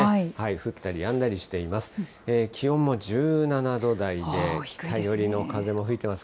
降ったりやんだりしています。